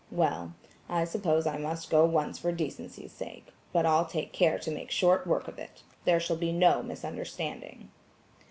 Well, I suppose I must go once for decency's sake, but I'll take care to make short work of it. There shall be no misunderstanding."